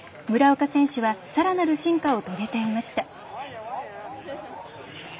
村岡選手はさらなる進化を遂げていました。